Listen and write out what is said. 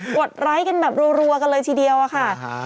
กดไลค์เรื่องรักจากกันเลยทีเดียวค่ะ